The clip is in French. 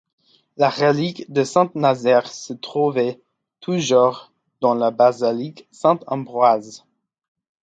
La relique de saint Nazaire se trouverait toujours dans la basilique Saint-Ambroise.